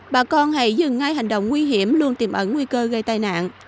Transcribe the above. bà con hãy dừng ngay hành động nguy hiểm luôn tìm ẩn nguy cơ gây tai nạn